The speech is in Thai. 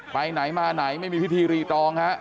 ไปไหนมาไหนไม่มีพิธีรีตองฮะ